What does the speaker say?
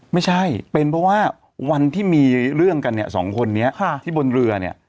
ไม่ใช่เป็นเพราะว่าวันที่มีเรื่องกันเนี่ยสองคนนี้ที่บนเรือเนี่ย